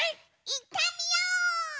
いってみよう！